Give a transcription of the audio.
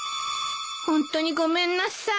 ホントにごめんなさい。